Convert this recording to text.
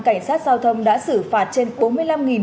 cảnh sát giao thông đã xử phạt trên